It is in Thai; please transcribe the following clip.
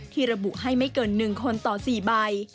ที่ระบุให้ไม่เกิน๑คนต่อ๔ใบ